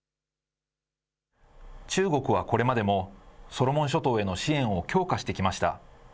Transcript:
中国はこれまでも、ソロモン諸島への支援を強化してきました。